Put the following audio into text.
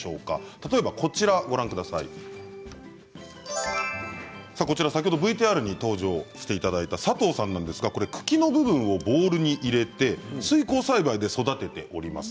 例えば、ＶＴＲに登場していただいた佐藤さんなんですが茎の部分をボウルに入れて水耕栽培で育てております。